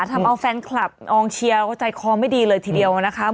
ทำเอาแฟนคลับกองเชียร์ก็ใจคอไม่ดีเลยทีเดียวนะคะ